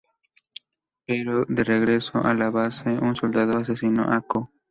Pero, de regreso a la base, un soldado asesina a Co.